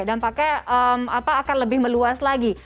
dampaknya akan lebih meluas lagi